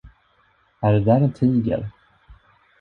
Är det där en tiger?